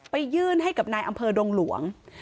ไปยื่นให้กับนายอำเภอลวงกรก